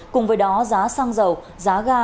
cùng với đó giá xăng dầu giá ga